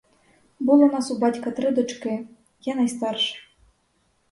Було нас у батька три дочки, — я найстарша.